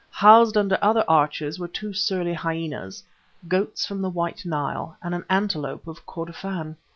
Housed under other arches were two surly hyenas, goats from the White Nile, and an antelope of Kordofan.